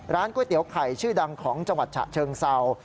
ก๋วยเตี๋ยวไข่ชื่อดังของจังหวัดฉะเชิงเศร้า